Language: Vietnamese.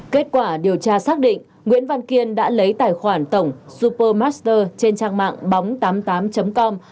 kết quả điều tra xác định nguyễn văn kiên đã lấy tài khoản tổng super master trên trang mạng bóng tám mươi tám com